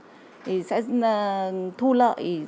thì sẽ thu lợi